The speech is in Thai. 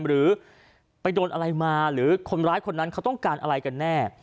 หรือไปโดนอะไรมาหรือคนร้ายคนนั้นเขาต้องการอะไรกันแน่